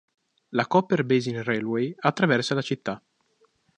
La Copper Basin Railway attraversa la città.